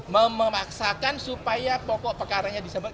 memaksakan supaya pokok perkaranya disebut